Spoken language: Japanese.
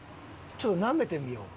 ちょっと舐めてみよう。